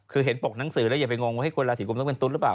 คือเห็นปกหนังสือแล้วอย่าไปงงว่าคนราศีกุมต้องเป็นตุ๊ดหรือเปล่า